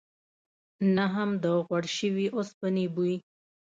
نه هم د غوړ شوي اوسپنې بوی.